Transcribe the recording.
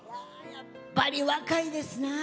やっぱり若いですなぁ。